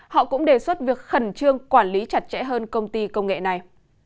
họ cũng đề xuất việc khẩn trương quản lý chặt chẽ hơn công ty công nghệ này